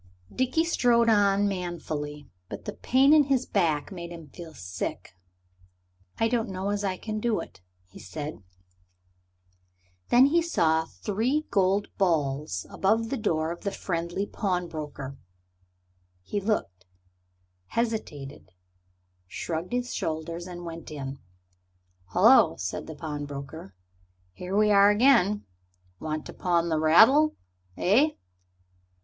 Dickie strode on manfully, but the pain in his back made him feel sick. "I don't know as I can do it," he said. Then he saw the three gold balls above the door of the friendly pawnbroker. He looked, hesitated, shrugged his shoulders, and went in. "Hullo!" said the pawnbroker, "here we are again. Want to pawn the rattle, eh?"